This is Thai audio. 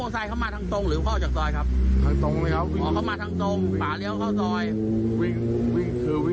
ใช่ใช่ไหมครับ